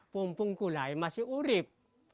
pempung kulai masih urib